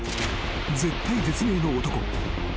［絶体絶命の男］